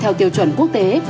theo tiêu chuẩn quốc tế